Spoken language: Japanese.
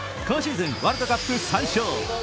今シーズン、ワールドカップ３勝。